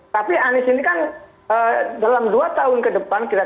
tapi anies ini kan dalam dua tahun ke depan